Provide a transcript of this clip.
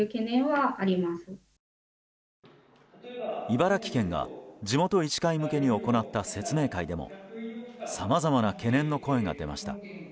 茨城県が地元医師会向けに行った説明会でもさまざまな懸念の声が出ました。